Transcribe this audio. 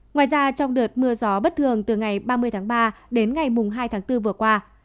ngoài ra trong đợt mưa gió bất thường từ ngày ba mươi tháng ba đến ngày hai tháng bốn vừa qua